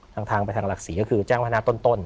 ทางไปทางหลักศรีก็คือแจ้งพัฒนาต้น